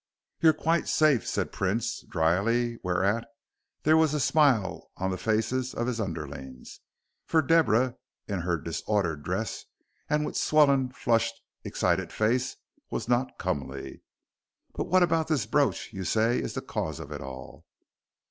"You're quite safe," said Prince, dryly, whereat there was a smile on the faces of his underlings, for Deborah in her disordered dress and with her swollen, flushed, excited face was not comely. "But what about this brooch you say is the cause of it all?"